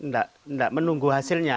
tidak menunggu hasilnya